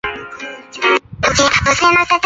象征主义诗歌的创始人之一。